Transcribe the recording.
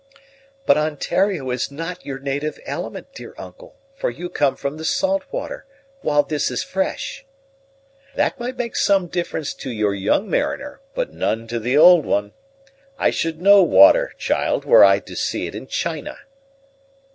"But Ontario is not your native element, dear uncle; for you come from the salt water, while this is fresh." "That might make some difference to your young mariner, but none to the old one. I should know water, child, were I to see it in China."